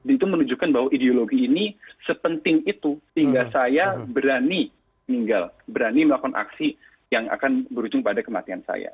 itu menunjukkan bahwa ideologi ini sepenting itu sehingga saya berani meninggal berani melakukan aksi yang akan berujung pada kematian saya